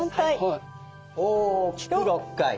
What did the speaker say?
大きく６回。